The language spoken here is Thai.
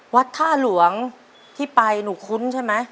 วัดท่าหลวงที่ไปหนูคุ้นใช่ไหม